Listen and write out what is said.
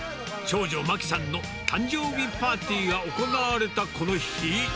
長女、まきさんの誕生日パーティーが行われたこの日。